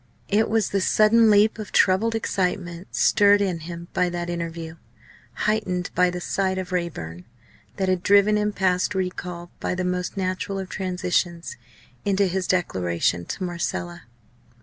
It was the sudden leap of troubled excitement stirred in him by that interview heightened by the sight of Raeburn that had driven him past recall by the most natural of transitions, into his declaration to Marcella.